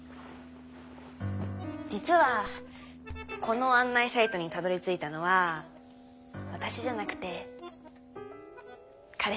実はこの案内サイトにたどりついたのは私じゃなくて彼氏っていうか。